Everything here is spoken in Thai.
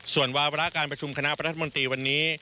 ส่วนวาระการประชุมคณะรัฐมนตรีวันนี้